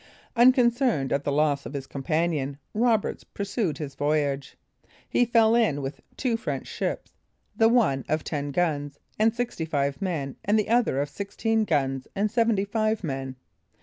Unconcerned at the loss of his companion, Roberts pursued his voyage. He fell in with two French ships, the one of ten guns and sixty five men, and the other of sixteen guns and seventy five men.